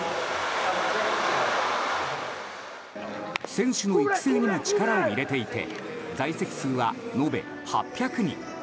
選手の育成にも力を入れていて在籍数は延べ８００人。